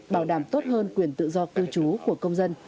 bảo đảm tốt hơn quyền tự do cư trú của công dân